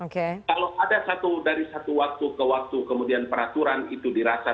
kalau ada satu dari satu waktu ke waktu kemudian peraturan itu dirasakan